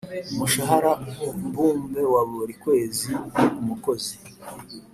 Umushahara mbumbe wa buri kwezi ku mukozi